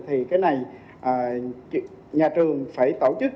thì cái này nhà trường phải tổ chức